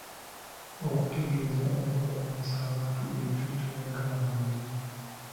Okutegeeza oba okumanyisa abantu ekyo ky'oyagala bamanye.